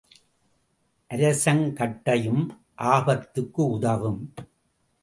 அரசங்கட்டையும் ஆபத்துக்கு உதவும்.